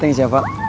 thanks ya fak